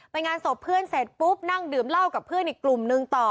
งานศพเพื่อนเสร็จปุ๊บนั่งดื่มเหล้ากับเพื่อนอีกกลุ่มนึงต่อ